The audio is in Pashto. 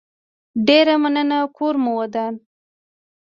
ډيره مننه کور مو ودان